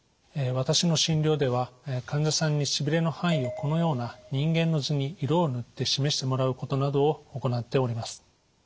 私の診療では患者さんにしびれの範囲をこのような人間の図に色を塗って示してもらうことなどを行っております。